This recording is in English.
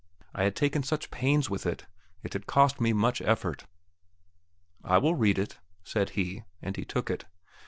I had taken such pains with it; it had cost me much effort. "I will read it," said he, and he took it.